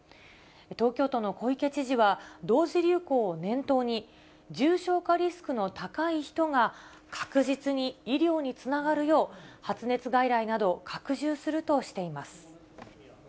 東京都の小池知事は、同時流行を念頭に、重症化リスクの高い人が確実に医療につながるよう、発熱外来などを拡充するとしています。